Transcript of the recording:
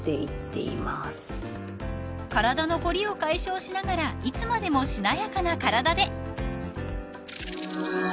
［体のこりを解消しながらいつまでもしなやかな体で］